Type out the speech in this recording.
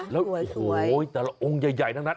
แล้วโอ้โหแต่ละองค์ใหญ่ทั้งนั้น